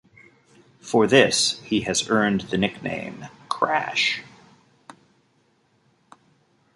For this, he has earned the nickname "Crash".